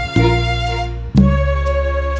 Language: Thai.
สวัสดีค่ะ